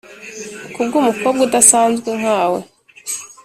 kubwumukobwa udasanzwe nkawe!